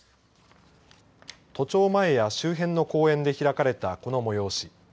都庁前や周辺の公園で開かれたこの催し。